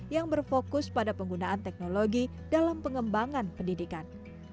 yang berfokus pada penggunaan teknologi dalam pengembangan pendidikan